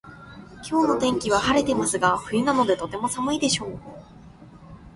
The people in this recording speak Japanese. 今日の天気は晴れてますが冬なのでとても寒いでしょう